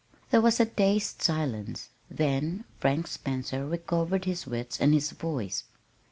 There was a dazed silence; then Frank Spencer recovered his wits and his voice.